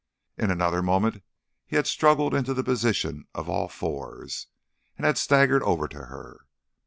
In another moment he had struggled into the position of all fours, and had staggered over to her.